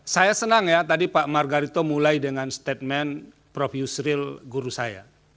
saya senang ya tadi pak margarito mulai dengan statement prof yusril guru saya